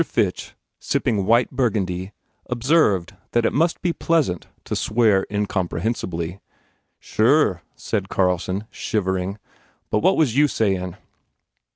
Fitch, sip ping white Burgundy, observed that it must be pleasant to swear incomprehensibly. "Sure," said Carlson, shivering, "but what was you sayin ?"